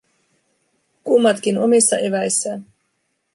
Kummatkin omissa eväissään.